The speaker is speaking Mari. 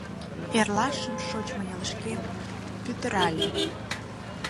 Эрлашым шочмо ялышкем пӱтыральым.